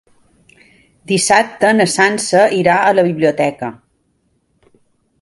Dissabte na Sança irà a la biblioteca.